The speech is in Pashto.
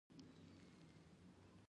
په وینز کې سیاسي کشمکشونه اوج ته ورسېدل.